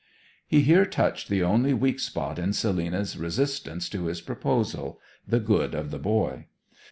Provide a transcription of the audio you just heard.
He here touched the only weak spot in Selina's resistance to his proposal the good of the boy.